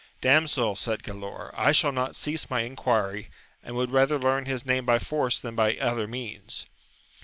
Damsel, said Galaor, I shall not cease my enquiry, and would rather learn his name by force than by other means.